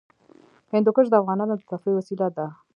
هندوکش د افغانانو د تفریح وسیله ده.